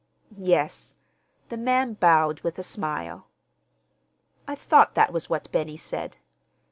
"Yes." The man bowed with a smile. "I thought that was what Benny said.